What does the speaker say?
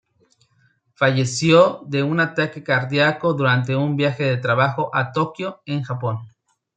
Falleció de un ataque cardíaco durante un viaje de trabajo a Tokio, en Japón.